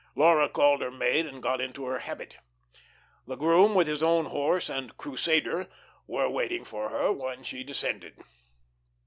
Laura called her maid and got into her habit. The groom with his own horse and "Crusader" were waiting for her when she descended.